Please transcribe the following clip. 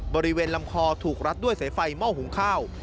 บริเวณลำคอถูกรัดด้วยสายไฟหม้อหุงข้าว